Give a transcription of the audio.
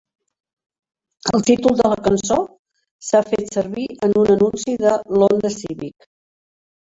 El títol de la cançó s'ha fet servir en un anunci de l'Honda Civic.